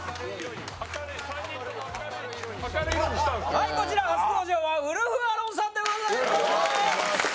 はいこちら初登場はウルフ・アロンさんでございます！